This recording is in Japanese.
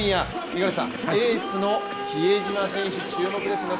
五十嵐さん、エースの比江島選手注目ですね。